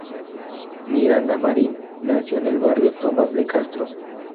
Miranda Marín nació en el barrio Tomás de Castro.